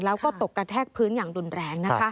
แล้วก็ตกกระแทกพื้นอย่างรุนแรงนะคะ